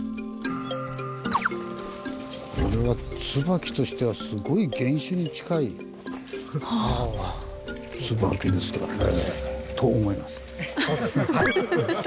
これはツバキとしてはすごい原種に近いツバキですかね。と思います。